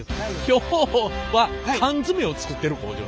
今日は缶詰を作ってる工場。